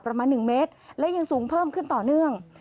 ประมาณ๑เมตรและยังสูงเพิ่มขึ้นต่อเนื่อง